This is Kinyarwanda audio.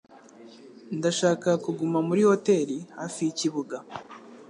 Ndashaka kuguma muri hoteri hafi yikibuga.